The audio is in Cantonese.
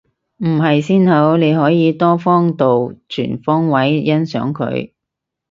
唔係先好，你可以多方度全方位欣賞佢